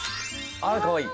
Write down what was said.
あかわいい！